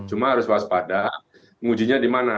cuma harus berbahas padan ujinya di mana